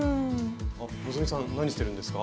あ希さん何してるんですか？